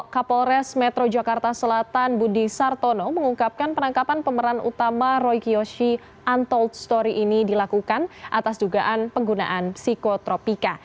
kapolres metro jakarta selatan budi sartono mengungkapkan penangkapan pemeran utama roy kioshi untold story ini dilakukan atas dugaan penggunaan psikotropika